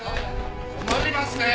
困りますねえ。